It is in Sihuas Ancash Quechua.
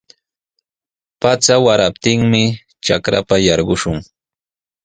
Pacha waraptinmi trakrapa yarqushun.